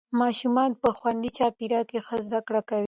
ماشومان په خوندي چاپېریال کې ښه زده کړه کوي